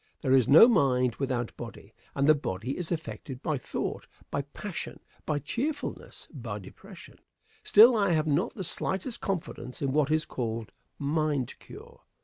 There is no mind without body, and the body is affected by thought by passion, by cheerfulness, by depression. Still, I have not the slightest confidence in what is called "mind cure."